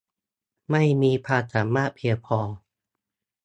ไม่มีความสามารถเพียงพอ